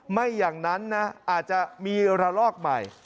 ไม่อย่างนั้นนะอาจจะมีระลอกใหม่